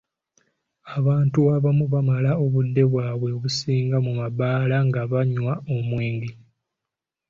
Abantu abamu bamala obudde bwabwe obusinga mu mabbaala nga banywa omwenge